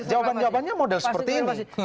jawaban jawabannya model seperti ini